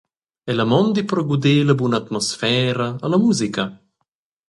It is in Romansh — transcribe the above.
Ella mondi per guder la bun’atmosfera e la musica.